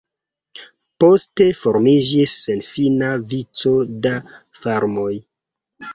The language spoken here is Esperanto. Poste formiĝis senfina vico da farmoj.